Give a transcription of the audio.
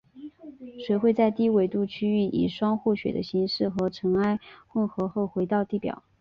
水会在低纬度区域以霜或雪的形式和尘埃混合后回到地表。